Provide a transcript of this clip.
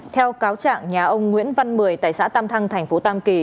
theo cáo trạng nhà ông nguyễn văn mười tại xã tam thăng thành phố tam kỳ